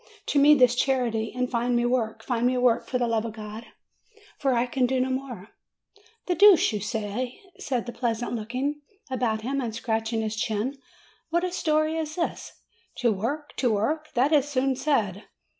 Do me this charity, and find me work, find me work, for the love of God, for I can do no more!" "The deuce you say!" said the peasant, looking FROM APENNINES TO THE ANDES 271 about him, and scratching his chin. "What a story is this ! To work, to work ! that is soon said.